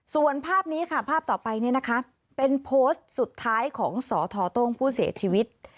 ส่วนภาพนี้ค่ะภาพต่อไปเนี่ยนะคะเป็นโพสต์สุดท้ายของสทโต้งผู้เสียชีวิต